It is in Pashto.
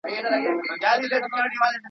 پر سترخان باندي یوازي کښېنستله.